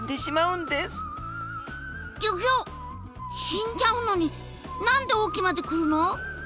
死んじゃうのに何で隠岐まで来るの？